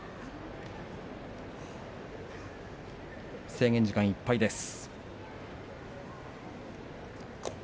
制限時間いっぱいです。